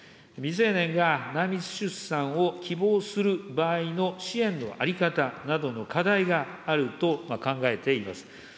未成年が内密出産を希望する場合の支援の在り方などの課題があると考えています。